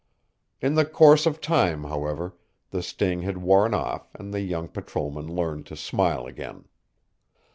In the course of time, however, the sting had worn off and the young patrolman learned to smile again.